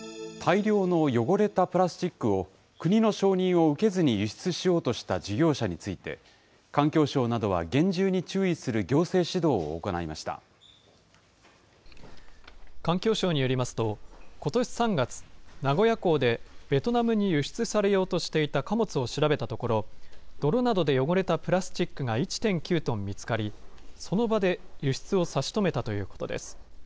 大量の汚れたプラスチックを、国の承認を受けずに輸出しようとした事業者について、環境省などは厳重に注意する行政指導を行い環境省によりますと、ことし３月、名古屋港でベトナムに輸出されようとしていた貨物を調べたところ、泥などで汚れたプラスチックが１．９トン見つかり、その場で輸出を差し止めたということです。